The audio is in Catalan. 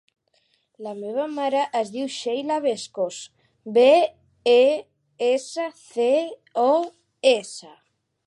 La meva mare es diu Sheila Bescos: be, e, essa, ce, o, essa.